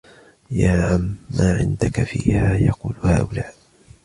يَا عَمِّ مَا عِنْدَك فِيمَا يَقُولُ هَؤُلَاءِ